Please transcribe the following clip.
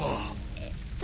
えっと。